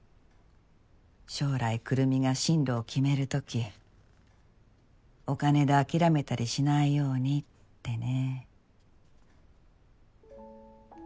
将来くるみが進路を決めるときお金で諦めたりしないようにってね。